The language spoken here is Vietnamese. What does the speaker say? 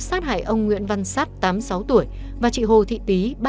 sát hại ông nguyễn văn sát tám mươi sáu tuổi và chị hồ thị tý